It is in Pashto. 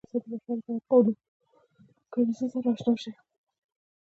د محصل ژوند کې خوب کم وي.